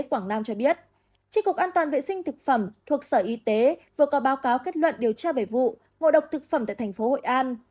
quảng nam cho biết tri cục an toàn vệ sinh thực phẩm thuộc sở y tế vừa có báo cáo kết luận điều tra về vụ ngộ độc thực phẩm tại thành phố hội an